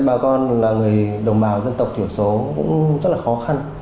bà con là người đồng bào dân tộc thiểu số cũng rất là khó khăn